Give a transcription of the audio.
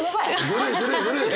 ずるいずるいずるい。